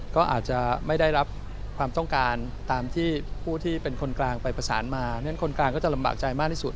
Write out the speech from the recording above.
ก็อาจจะไม่ได้รับความต้องการตามที่ผู้ที่เป็นคนกลางไปประสานมาเพราะฉะนั้นคนกลางก็จะลำบากใจมากที่สุด